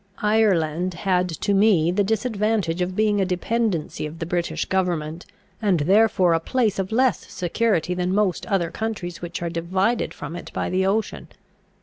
Ireland had to me the disadvantage of being a dependency of the British government, and therefore a place of less security than most other countries which are divided from it by the ocean.